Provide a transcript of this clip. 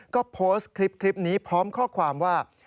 ก็โพสต์คลิปนี้พร้อมข้อความว่า